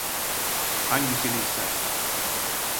Hangisini istersen.